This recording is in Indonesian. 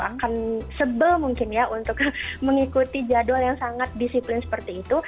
akan sebel mungkin ya untuk mengikuti jadwal yang sangat disiplin seperti itu